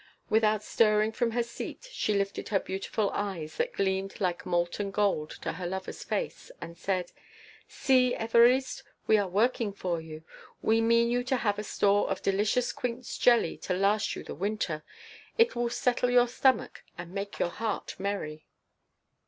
Without stirring from her seat, she lifted her beautiful eyes, that gleamed like molten gold, to her lover's face, and said: "See, Évariste, we are working for you. We mean you to have a store of delicious quince jelly to last you the winter; it will settle your stomach and make your heart merry."